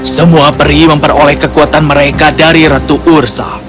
semua peri memperoleh kekuatan mereka dari ratu ursa